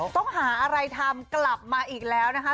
ต้องหาอะไรทำกลับมาอีกแล้วนะคะ